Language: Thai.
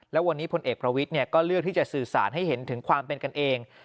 แล้ววันนี้พลเอกประวิทย์ก็เลือกที่จะสื่อสารให้เห็นถึงความเป็นกันเอง